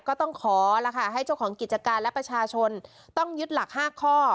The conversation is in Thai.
ก็ต้องขอละค่ะให้เจ้าของกิจการและประชาชนต้องยึดหลัก๕ข้อ